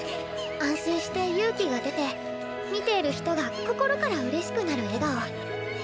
安心して勇気が出て見ている人が心からうれしくなる笑顔。